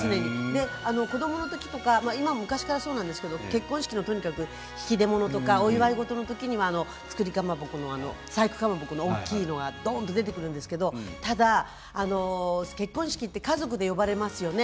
子どもの時とか今は昔からそうなんですけど結婚式の時に引き出物やお祝い事の時には作りかまぼこ細工かまぼこの大きいものがドーンと出てくるんですけどただ、結婚式て家族で呼ばれますよね